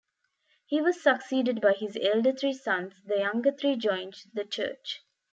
He was succeeded by his elder three sons, the younger three joined the Church.